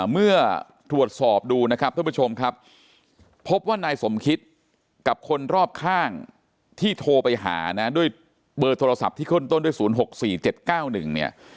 เมื่อถวดสอบดูทุกผู้ชมครับพบว่านายสมคิตกับคนรอบข้างที่โทรไปหาด้วยเบอร์โทรศัพท์ที่ค้นต้นด้วย๐๖๔๗๙๑